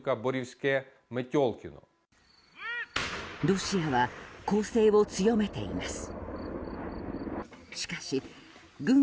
ロシアは攻勢を強めています。